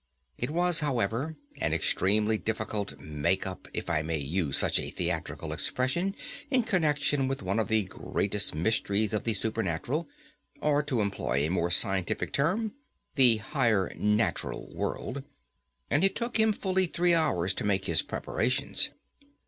It was, however an extremely difficult "make up," if I may use such a theatrical expression in connection with one of the greatest mysteries of the supernatural, or, to employ a more scientific term, the higher natural world, and it took him fully three hours to make his preparations.